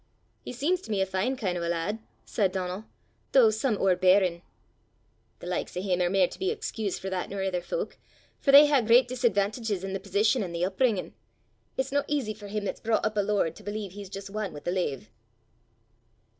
"He seems to me a fine kin' o' a lad," said Donal, "though some owerbeirin'." "The likes o' him are mair to be excused for that nor ither fowk, for they hae great disadvantages i' the position an' the upbringin'. It's no easy for him 'at's broucht up a lord to believe he's jist ane wi' the lave."